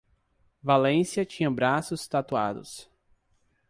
Valência tinha braços tatuados.